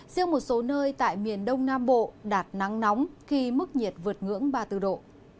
riêng một số nơi tại miền đông nam bộ đạt nắng nóng khi mức nhiệt vượt ngưỡng ba mươi bốn độ